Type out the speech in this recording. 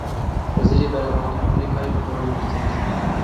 Wezîrê Berevaniya Amerîkayê bi Koronayê ket.